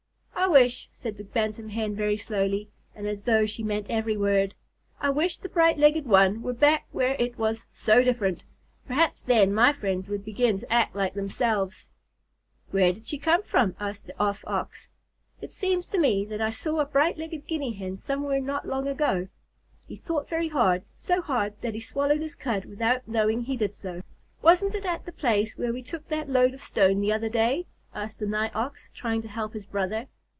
"I wish," said the Bantam Hen very slowly, and as though she meant every word "I wish the bright legged one were back where it was 'so different.' Perhaps then my friends would begin to act like themselves." "Where did she come from?" asked the Off Ox. "It seems to me that I saw a bright legged Guinea Hen somewhere not long ago." He thought very hard, so hard that he swallowed his cud without knowing he did so. "Wasn't it at the place where we took that load of stone the other day?" asked the Nigh Ox, trying to help his brother.